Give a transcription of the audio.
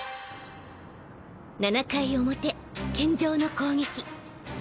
７回表健丈の攻撃